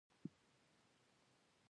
وسله د وژنې لاره ده